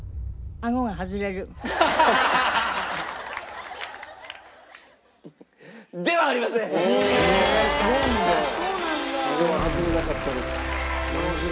あごは外れなかったです。